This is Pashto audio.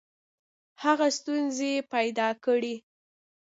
هغه ستونزي پیدا کړې.